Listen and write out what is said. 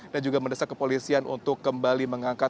dan juga mendesak kepolisian untuk kembali ke indonesia